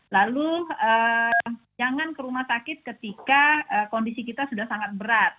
lalu jangan ke rumah sakit ketika kondisi kita sudah sangat berat